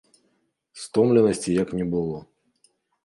Стомленасці як не было.